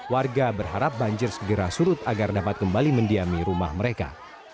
warga berharap banjir segera surut agar dapat kembali mendiami rumah mereka